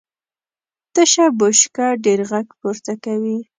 تشه بشکه ډېر غږ پورته کوي .